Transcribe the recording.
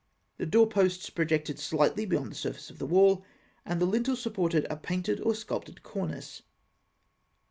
The doorposts projected slightly beyond the surface of the wall, and the lintel supported a painted or sculptured cornice.